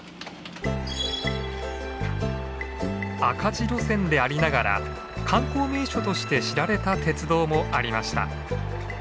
赤字路線でありながら観光名所として知られた鉄道もありました。